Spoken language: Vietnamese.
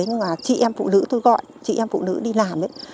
nhưng mà chị em phụ nữ tôi gọi chị em phụ nữ đi làm ấy